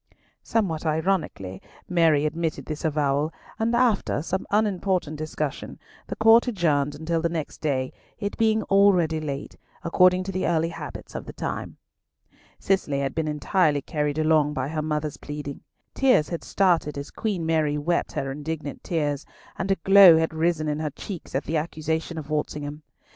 Somewhat ironically Mary admitted this disavowal, and after some unimportant discussion, the Court adjourned until the next day, it being already late, according to the early habits of the time. Cicely had been entirely carried along by her mother's pleading. Tears had started as Queen Mary wept her indignant tears, and a glow had risen in her cheeks at the accusation of Walsingham.